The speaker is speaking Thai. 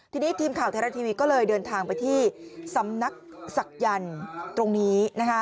ทีนี้ทีมข่าวไทยรัฐทีวีก็เลยเดินทางไปที่สำนักศักยันต์ตรงนี้